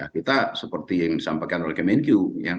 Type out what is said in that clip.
kita seperti yang disampaikan oleh kemenq